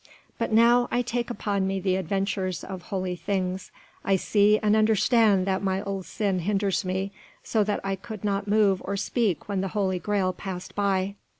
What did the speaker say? But now I take upon me the adventures of holy things, I see and understand that my old sin hinders me, so that I could not move or speak when the Holy Graal passed by."